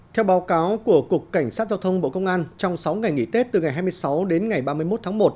theo báo cáo của cục cảnh sát giao thông bộ công an trong sáu ngày nghỉ tết từ ngày hai mươi sáu đến ngày ba mươi một tháng một